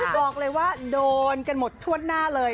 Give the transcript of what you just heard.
บอกเลยว่าโดนกันหมดทั่วหน้าเลย